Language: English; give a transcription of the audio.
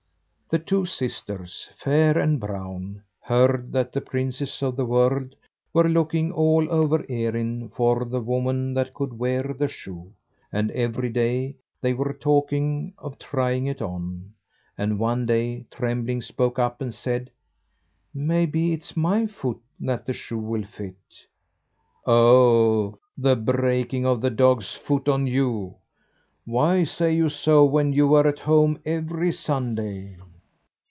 The two sisters, Fair and Brown, heard that the princes of the world were looking all over Erin for the woman that could wear the shoe, and every day they were talking of trying it on; and one day Trembling spoke up and said: "Maybe it's my foot that the shoe will fit." "Oh, the breaking of the dog's foot on you! Why say so when you were at home every Sunday?"